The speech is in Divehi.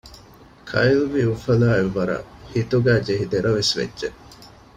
ކައިލް ވީ އުފަލާ އެއްވަރަށް ހިތުގައިޖެހި ދެރަވެސް ވެއްޖެ